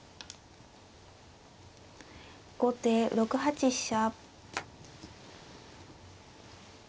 後手６八飛車。